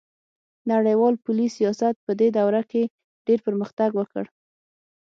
نړیوال پولي سیاست پدې دوره کې ډیر پرمختګ وکړ